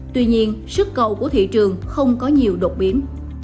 tuy nhiên sức cầu của thị trường không có nhiều đột biến